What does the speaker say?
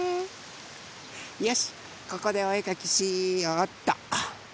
よしここでおえかきしようっと。